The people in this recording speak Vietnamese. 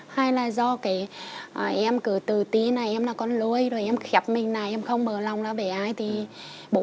hay là do cái em cứ từ tí này em là con lôi rồi em khép mình này em không mở lòng nó về ai thì bố